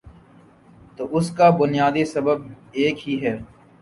تو اس کا بنیادی سبب ایک ہی ہے۔